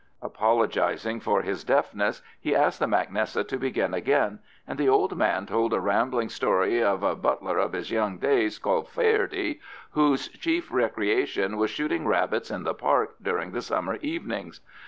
Apologising for his deafness, he asked the mac Nessa to begin again, and the old man told a rambling story of a butler of his young days called Faherty, whose chief recreation was shooting rabbits in the park during the summer evenings.